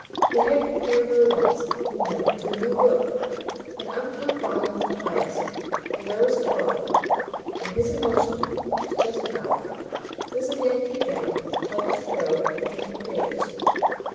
He had compared her once, we know, to a "new book," an uncut volume of the highest, the rarest quality; and his emotion (to justify that) was again and again like the thrill of turning the page.